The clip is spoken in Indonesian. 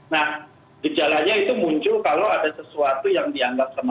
nah gejalanya itu muncul kalau ada sesuatu yang dianggap sama